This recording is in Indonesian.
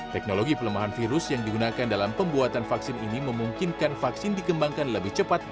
teknologi pelemahan virus yang digunakan dalam pembuatan vaksin ini memungkinkan vaksin dikembangkan lebih cepat